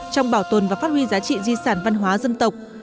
trong bảo tồn và phát huy giá trị di sản văn hóa dân tộc